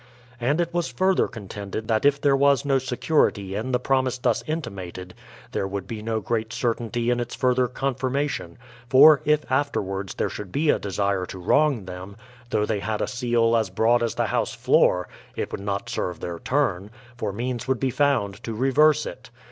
And it was further contended that if there was no security in the promise thus intimated, there would be no great certainty in its further confirmation; for if, afterwards, there should be a desire to wrong them, though they had a seal as broad as the house floor, it would not serve their turn, for means would be found to reverse it.